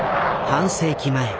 半世紀前。